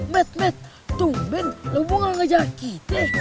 matt matt tung ben lo mau ngejar kita